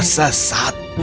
dia pasti sedang tersesat